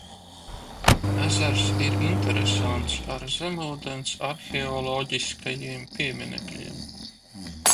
Ezers ir interesants ar zemūdens arheoloģiskajiem pieminekļiem.